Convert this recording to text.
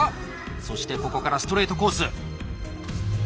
そしてここからストレートコース。